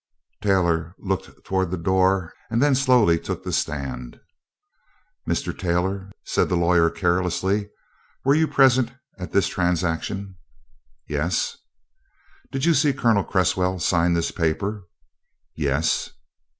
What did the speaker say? Taylor looked toward the door and then slowly took the stand. "Mr. Taylor," said the lawyer carelessly, "were you present at this transaction?" "Yes." "Did you see Colonel Cresswell sign this paper?" "Yes."